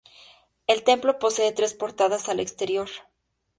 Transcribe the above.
El templo posee tres portadas al exterior.